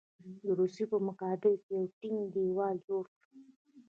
د روسیې په مقابل کې به یو ټینګ دېوال جوړ کړي.